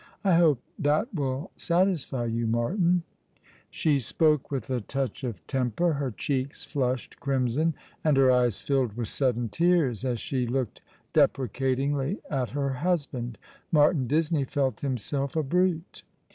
I hope that will satisfy you, Martin." She spoke with a touch of temper, her cheeks flushed crimson, and her eyes filled with sudden tears as she looked deprecatingly at her husband. Martin Disney felt himselt a brute.